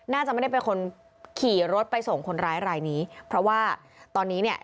น่าจะไม่ได้เป็นคนขี่รถไปส่งคนร้ายรายนี้เพราะว่าตอนนี้เนี่ย